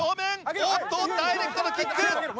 おっとダイレクトでキック！